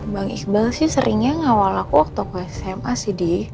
bang iqbal sih seringnya ngawal aku waktu ke sma sih di